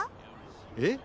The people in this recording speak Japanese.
えっ！